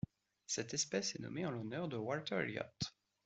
Cette espèce est nommée en l'honneur de Walter Elliot.